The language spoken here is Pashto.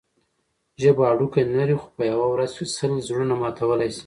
ژبه هډوکی نه لري؛ خو په یوه ورځ کښي سل زړونه ماتولای سي.